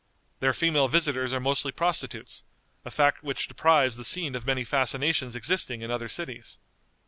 Their female visitors are mostly prostitutes, a fact which deprives the scene of many fascinations existing in other cities.